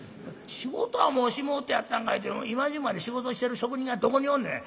『仕事はもうしもうてやったんかい』って今時分まで仕事してる職人がどこにおんねん。